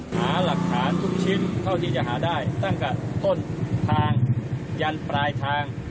หาหลักฐานทุกชิ้นเท่าที่จะหาได้ตั้งแต่ต้นทางยันปลายทาง